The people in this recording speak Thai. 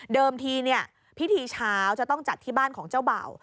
ทีพิธีเช้าจะต้องจัดที่บ้านของเจ้าเบ่า